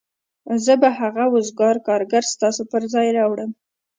زه به هغه وزګار کارګر ستاسو پر ځای راوړم